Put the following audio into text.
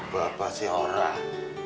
berapa sih orang